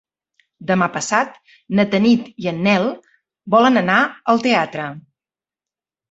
Demà passat na Tanit i en Nel volen anar al teatre.